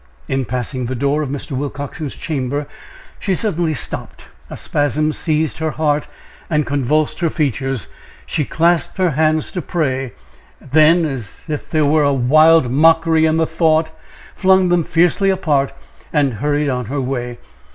In passing the door of Mr. Willcoxen's chamber, she suddenly stopped a spasm seized her heart, and convulsed her features she clasped her hands to pray, then, as if there were wild mockery in the thought, flung them fiercely apart, and hurried on her way.